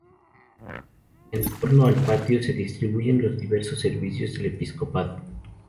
En torno al patio se distribuyen los diversos servicios del episcopado.